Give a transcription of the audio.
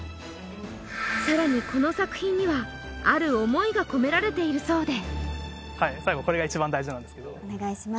さらにこの作品にはある思いが込められているそうでお願いします